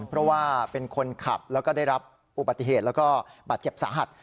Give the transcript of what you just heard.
เพราะว่าเป็นคนขับแล้วก็ได้รับอุบัติเหตุแล้วก็บาดเจ็บสาหัส